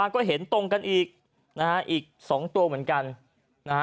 ก็เห็นตรงกันอีกนะฮะอีก๒ตัวเหมือนกันนะฮะ